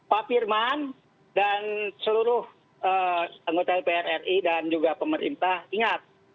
pak firman dan seluruh anggota dpr ri dan juga pemerintah ingat